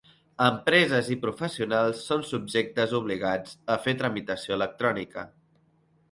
Empreses i professionals són subjectes obligats a fer tramitació electrònica.